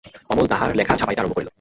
অমল তাহার লেখা ছাপাইতে আরম্ভ করিল।